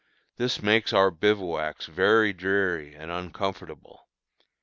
This makes our bivouacs very dreary and uncomfortable.